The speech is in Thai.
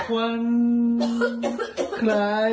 พี่ลา